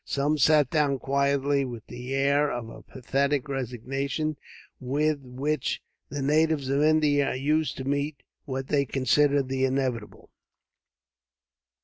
Some sat down quietly, with the air of apathetic resignation, with which the natives of India are used to meet what they consider the inevitable.